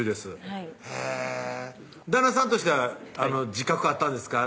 はいへぇ旦那さんとしては自覚あったんですか？